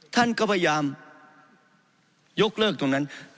ท่านก็พยายามยกเลิกตรงนั้น